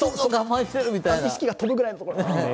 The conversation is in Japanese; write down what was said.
意識が飛ぶぐらいのところが。